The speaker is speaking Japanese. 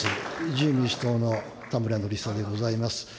自由民主党の田村憲久でございます。